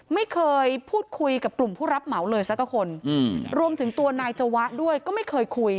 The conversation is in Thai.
ไม่เคยพูดคุยกับกลุ่มผู้รับเหมาเลยสักคนรวมถึงตัวนายจวะด้วยก็ไม่เคยคุย